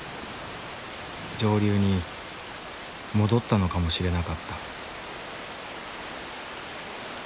上流に戻ったのかもしれなかった。